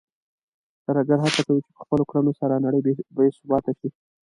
ترهګر هڅه کوي چې په خپلو کړنو سره نړۍ بې ثباته کړي.